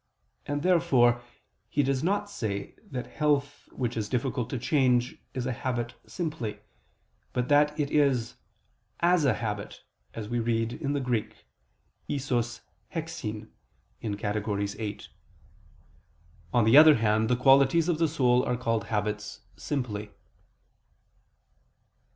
And therefore he does not say that health which is difficult to change is a habit simply: but that it is "as a habit," as we read in the Greek [*_isos hexin_ (Categor. viii)]. On the other hand, the qualities of the soul are called habits simply.